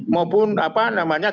maupun apa namanya